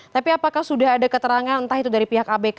tapi apakah sudah ada keterangan entah itu dari pihak abk